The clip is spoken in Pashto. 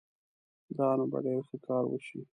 دا نو به ډېر ښه کار وشي